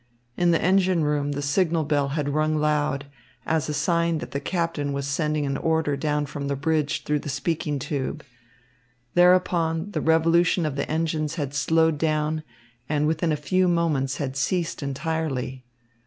In the engine room the signal bell had rung loud, as a sign that the captain was sending an order down from the bridge through the speaking tube. Thereupon the revolution of the engines had slowed down and within a few moments had ceased entirely.